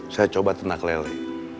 saya coba tenak lele